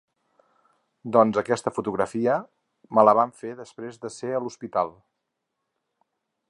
Doncs aquesta fotografia, me la van fer després de ser a l’hospital.